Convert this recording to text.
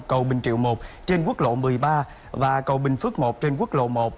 cầu bình triệu một trên quốc lộ một mươi ba và cầu bình phước một trên quốc lộ một